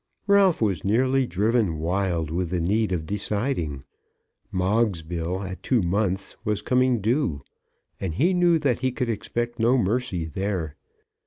Ralph was nearly driven wild with the need of deciding. Moggs's bill at two months was coming due, and he knew that he could expect no mercy there.